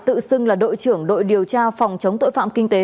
tự xưng là đội trưởng đội điều tra phòng chống tội phạm kinh tế